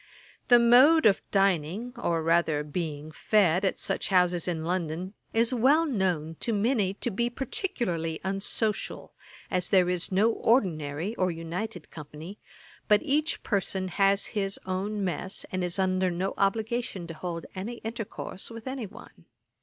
The mode of dining, or rather being fed, at such houses in London, is well known to many to be particularly unsocial, as there is no Ordinary, or united company, but each person has his own mess, and is under no obligation to hold any intercourse with any one.